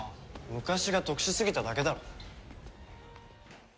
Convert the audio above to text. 昔が特殊すぎただけだろ。